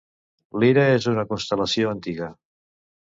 Lira és una constel·lació antiga.